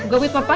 tunggu aja ya